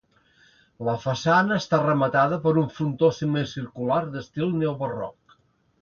La façana està rematada per un frontó semicircular d'estil neobarroc.